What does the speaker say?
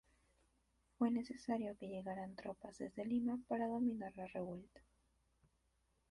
Fue necesario que llegaran tropas desde Lima para dominar la revuelta.